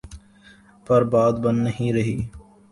پر بات بن نہیں رہی۔